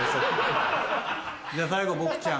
じゃあ最後ぼくちゃん。